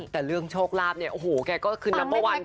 แต่เรื่องโชคราบเนี่ยโอ้โฮไกก็คือนัมเตอร์วัญกันเดียวนะคะ